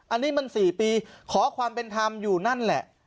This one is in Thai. อันนี้มัน๔ปีขอความเป็นธรรมอยู่นั่นแหละ